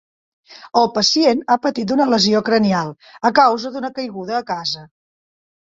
El pacient ha patit una lesió cranial a causa d'una caiguda a casa.